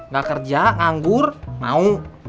gak kerja nganggur mau